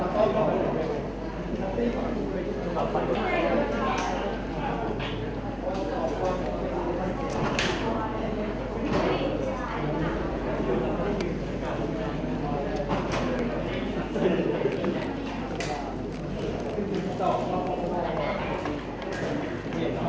ขอบคุณค่ะ